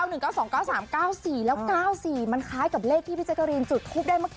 ๙หนึ่ง๙๒๙๓๙๔แล้ว๙๔มันคล้ายกับเลขที่พี่แจกรีนจุดคลุกได้เมื่อกี้